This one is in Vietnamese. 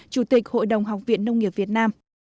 chủ tịch hội đồng học viện nông nghiệp việt nam